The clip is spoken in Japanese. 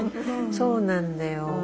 そうなんだよ。